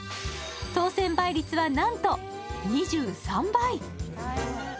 当選倍率は、なんと２３倍！